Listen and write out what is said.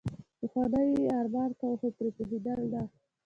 پخوانیو يې ارمان کاوه خو پرې پوهېدل نه.